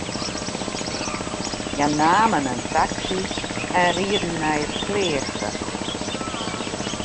Hja namen in taksy en rieden nei it kleaster.